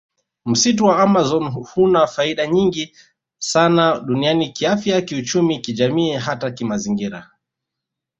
Msitu wa amazon huna faida nyingi sana duniani kiafya kiuchumi kijamii hata kimazingira